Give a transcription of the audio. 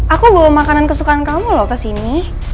aku bawa makanan kesukaan kamu loh kesini